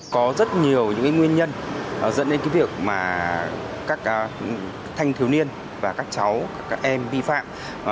có rất nhiều nguyên nhân dẫn đến việc các thanh thiếu niên và các cháu các em vi phạm